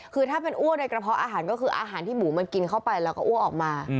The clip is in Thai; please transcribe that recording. คือถ้าเป็นอ้วกในกระเพาะอาหารก็คืออาหารที่หมูมันกินเข้าไปแล้วก็อ้วกออกมา